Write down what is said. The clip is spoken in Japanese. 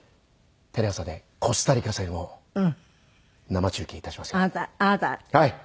テレ朝でコスタリカ戦を生中継致しますよ。